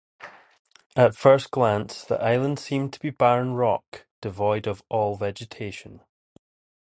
At first glance, the island seems to be barren rock, devoid of all vegetation.